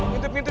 nih es krimnya